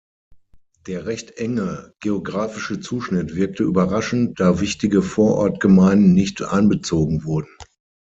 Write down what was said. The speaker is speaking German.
Der recht enge geographische Zuschnitt wirkte überraschend, da wichtige Vorortgemeinden nicht einbezogen wurden.